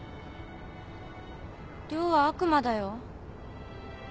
涼は悪魔だよ。